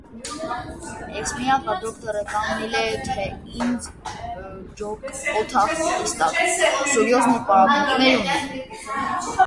Էս իմ աղա դոկտորը կանգնիլ է թե՝ ինձ ջոկ օթախ պիտիս տաք, սուրյոզնի պարապունքներ ունիմ.